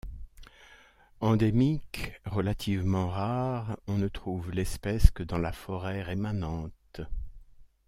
Endémique, relativement rare, on ne trouve l'espèce que dans la forêt rémanente.